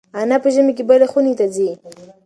انا په ژمي کې بلې خونې ته ځي.